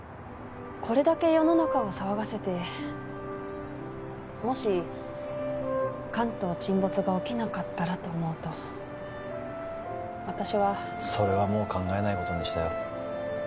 これだけ世の中を騒がせてもし関東沈没が起きなかったらと思うと私はそれはもう考えないことにしたよ